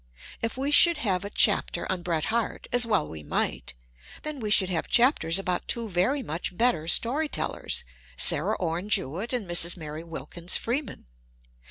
If we should have a chapter on Bret Harte (as well we might), then we should have chapters about two very much better stoiy tellers — Sarah Ome Jewett and Mrs. Maiy Wilkins Freeman.